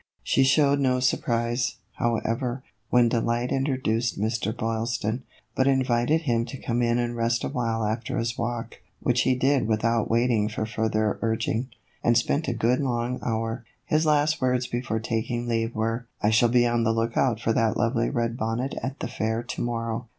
She showed no surprise, however, when Delight introduced Mr. Boylston, but invited him to come in and rest awhile after his walk, which he did without waiting for further urging, and spent a good long hour. His last words before taking leave were :" I shall be on the lookout for that lovely red bonnet at the fair to morrow."